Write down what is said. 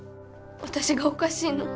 私がおかしいの？